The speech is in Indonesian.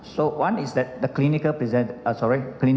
jadi yang pertama adalah